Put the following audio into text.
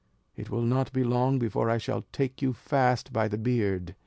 It will not be long before I shall take you fast by the beard."